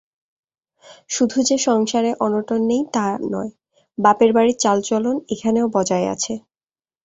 শুধু যে সংসারে অনটন নেই তা নয়, বাপের বাড়ির চালচলন এখানেও বজায় আছে।